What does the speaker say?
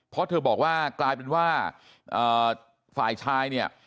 เพราะเธอบอกว่ากลายเป็นว่าฝ่ายชายเนี่ย